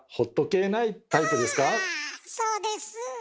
そうです。